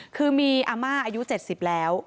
คือมีอาม่าอายุ๗๐แล้ว